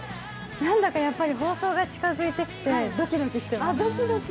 何だかやっぱり放送が近づいてきてドキドキしてます。